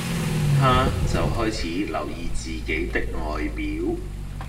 她就開始留意自己的外表